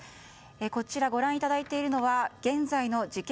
こちら、ご覧いただいているのは現在の事件